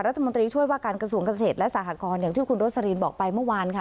รัฐมนตรีช่วยว่าการกระทรวงเกษตรและสหกรณ์อย่างที่คุณโรสลินบอกไปเมื่อวานค่ะ